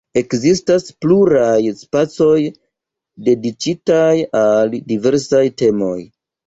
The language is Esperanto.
Ekzistas pluraj spacoj, dediĉitaj al diversaj temoj.